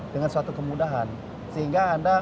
dengan suatu kemudahan sehingga anda